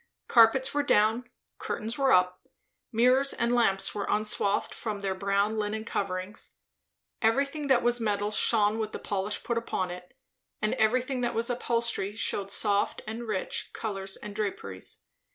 Carpets were down, curtains were up; mirrors and lamps were unswathed from their brown linen coverings; everything that was metal shone with the polish put upon it, and everything that was upholstery shewed soft and rich colours and draperies.